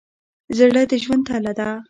زړه د ژوند تله ده.